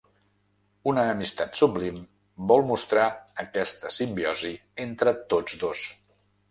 Una amistat sublim vol mostrar aquesta simbiosi entre tots dos.